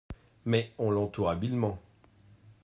Mais on l'entoure habilement.